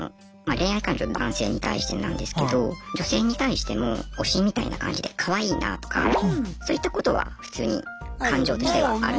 恋愛感情男性に対してなんですけど女性に対しても推しみたいな感じでかわいいなとかそういったことは普通に感情としてはあるんですね。